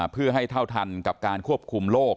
เพื่อให้เท่าทันกับการควบคุมโรค